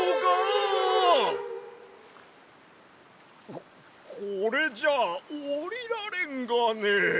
ここれじゃおりられんがね。